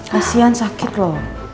kasian sakit loh